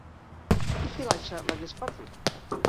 I si l'Aisha l'hagués perdut?